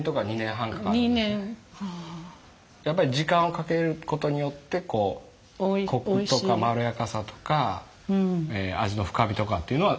やっぱり時間をかける事によってコクとかまろやかさとか味の深みとかっていうのは出てきますね。